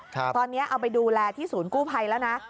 ตอนนี้เอาไปดูแลที่ศูนย์กู้ภัยแล้วนะ